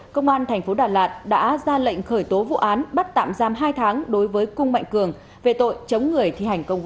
công an tp đà lạt đã ra lệnh khởi tố vụ án bắt tạm giam hai tháng đối với cung mạnh cường về tội chống người thi hành công vụ